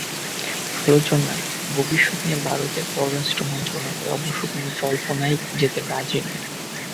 আলোচনার ভবিষ্যৎ নিয়ে ভারতের পররাষ্ট্র মন্ত্রণালয় অবশ্য কোনো জল্পনায় যেতে রাজি নয়।